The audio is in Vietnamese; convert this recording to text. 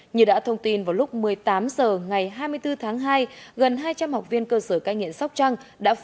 như đã thông tin vào lúc một mươi tám h ngày hai mươi bốn tháng hai gần hai trăm linh học viên cơ sở ca nghiện sóc trăng